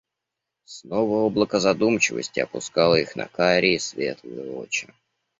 Снова облако задумчивости опускало их на карие светлые очи